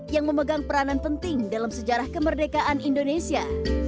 yang memegang peranan penting dalam sejarah kemerdekaan indonesia